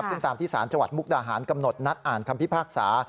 ซึ่งตามที่สารจังหวัดมุกดาหารกำหนดนัดอ่านคำพิพากษา